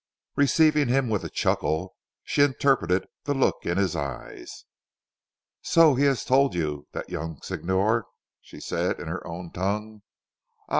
Receiving him with a chuckle, she interpreted the look in his eyes. "So he has told you, that young Signor," she said in her own tongue, "ah!